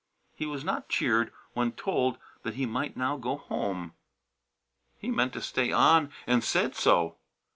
He was not cheered when told that he might now go home. He meant to stay on, and said so.